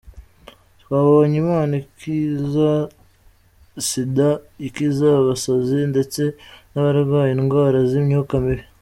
Twabonye Imana ikiza Sida, ikiza abasazi, ndetse n’abarwaye indwara z’imyuka mibi.